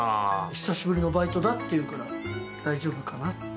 久しぶりのバイトだっていうから大丈夫かなって。